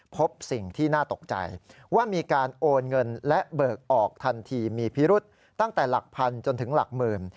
พบสิ่งที่น่าตกใจว่ามีการโอนเงินและเบิกออกทันทีมีพิรุษตั้งแต่หลักพันจนถึงหลักหมื่น